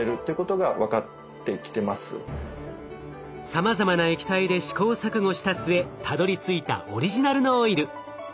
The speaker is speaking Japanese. さまざまな液体で試行錯誤した末たどりついたオリジナルのオイル。